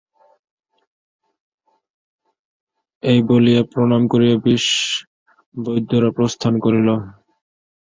এই বলিয়া প্রণাম করিয়া বিষবৈদ্যেরা প্রস্থান করিল।